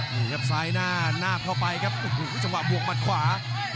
นี่ครับซ้ายหน้าหน้าเท่าไปครับจังหวะบวกหมัดขวา